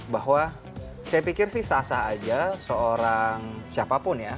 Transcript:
bahwa saya pikir sih sah sah aja seorang siapapun ya